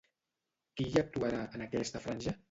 Qui hi actuarà, en aquesta franja?